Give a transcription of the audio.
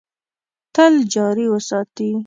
تل جاري وساتي .